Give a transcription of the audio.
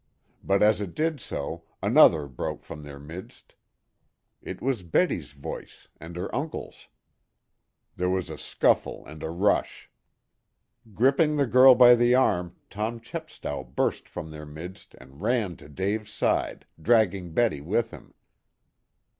But as it did so another broke from their midst. It was Betty's voice, and her uncle's. There was a scuffle and a rush. Gripping the girl by the arm Tom Chepstow burst from their midst and ran to Dave's side, dragging Betty with him.